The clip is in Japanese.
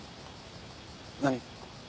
何？